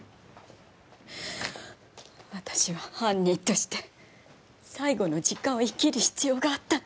私は犯人として最後の時間を生きる必要があったの。